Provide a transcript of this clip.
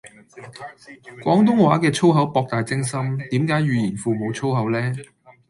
廣東話嘅粗口博大精深，點解語言庫無粗口呢